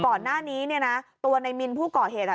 ก่อนหน้านี้เนี่ยนะตัวในมินผู้ก่อเหตุอ่ะ